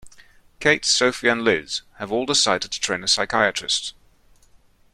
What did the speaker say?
Kate, Sophie and Liz have all decided to train as psychiatrists.